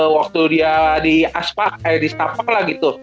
waktu dia di aspac eh di stapak lah gitu